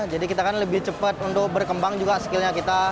jadi kita kan lebih cepat untuk berkembang juga skill nya kita